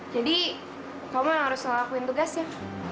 jadi kamu yang harus lakuin tugasnya